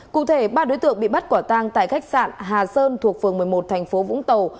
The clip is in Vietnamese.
cụ thể ba đối tượng bị bắt quả tăng tại khách sạn hà sơn thuộc phường một mươi một tp vũng tàu